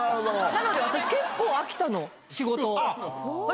なので、私、結構、秋田の仕事。